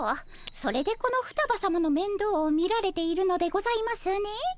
それでこの双葉さまの面倒を見られているのでございますね。